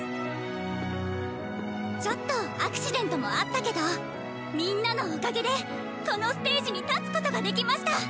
ちょっとアクシデントもあったけどみんなのおかげでこのステージに立つことができました！